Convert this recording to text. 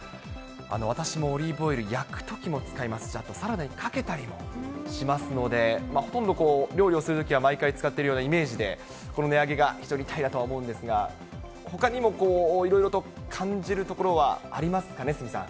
私もオリーブオイル、焼くときも使いますし、あとサラダにかけたりもしますので、ほとんど料理をするときは、毎回使っているようなイメージで、この値上げが非常に痛手だとは思うんですが、ほかにもいろいろと感じるところはありますかね、鷲見さん。